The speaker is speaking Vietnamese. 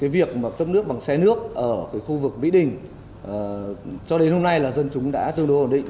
việc mà cấp nước bằng xe nước ở khu vực mỹ đình cho đến hôm nay là dân chúng đã tương đối ổn định